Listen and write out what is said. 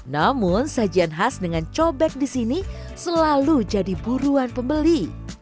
namun sajian khas dengan cobek di sini selalu jadi buruan pembeli